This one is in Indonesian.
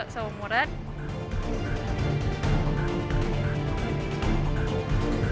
jadi kita harus saling menghargai